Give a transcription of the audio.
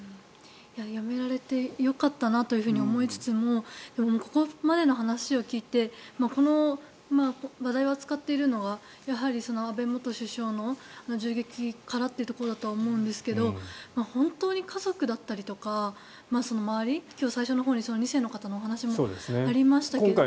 やめられてよかったなと思いつつもでも、ここまでの話を聞いてこの話題を扱っているのはやはり安倍元首相の銃撃からというところだと思うんですけど本当に家族だったりとか周り、今日最初のほうに２世の方のお話もありましたけれど。